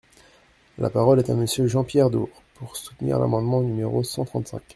La parole est à Monsieur Jean-Pierre Door, pour soutenir l’amendement numéro cent trente-cinq.